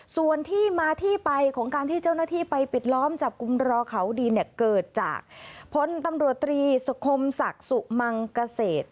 ส่วนที่มาที่ไปของการที่เจ้าหน้าที่ไปปิดล้อมจับกลุ่มรอเขาดินเนี่ยเกิดจากพลตำรวจตรีสคมศักดิ์สุมังเกษตร